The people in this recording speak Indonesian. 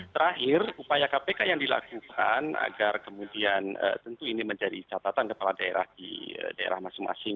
terakhir upaya kpk yang dilakukan agar kemudian tentu ini menjadi catatan kepala daerah di daerah masing masing